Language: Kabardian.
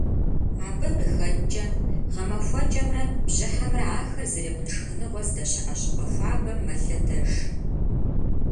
Абы къыхэкӏкӏэ гъэмахуэкӏэмрэ бжьыхьэмрэ ахэр зрикъун шхыныгъуэ здэщыӏэ щӏыпӏэ хуабэм мэлъэтэж.